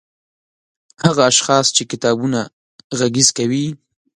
هغه اشخاص چې کتابونه غږيز کوي